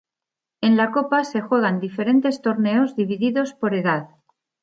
En la Copa se juegan diferentes torneos divididos por edad.